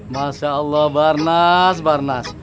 masya allah barnas barnas